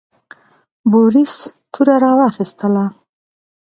بوریس توره راواخیستله.